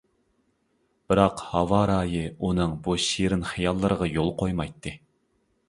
بىراق ھاۋا رايى ئۇنىڭ بۇ شېرىن خىياللىرىغا يول قويمايتتى.